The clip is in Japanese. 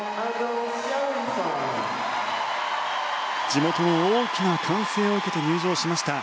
地元の大きな歓声を受けて入場しました。